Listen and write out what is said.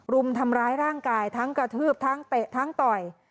รุมทำร้ายร่างกายทั้งกระทืบทั้งเตะทั้งต่อย